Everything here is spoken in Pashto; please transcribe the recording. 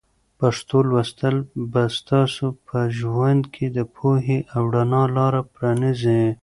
پښتو لوستل به ستاسو په ژوند کې د پوهې او رڼا لاره پرانیزي.